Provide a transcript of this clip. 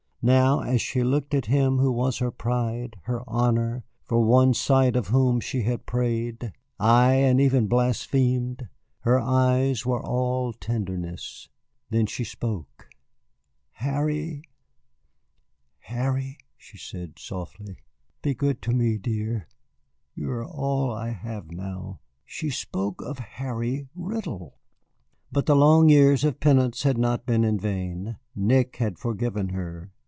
Now, as she looked at him who was her pride, her honor, for one sight of whom she had prayed, ay, and even blasphemed, her eyes were all tenderness. Then she spoke. "Harry," she said softly, "be good to me, dear. You are all I have now." She spoke of Harry Riddle! But the long years of penance had not been in vain. Nick had forgiven her.